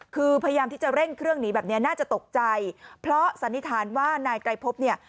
คือพยายามที่จะเร่งเครื่องหนีแบบเนี้ยน่าจะตกใจเพราะสันนิษฐานว่านายไกรพบเนี่ย